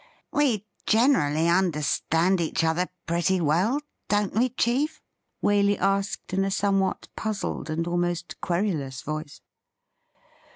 ' We generally understand each other pretty well — don't we, chief.?' Waley asked in a somewhat puzzled and almost querulous voice.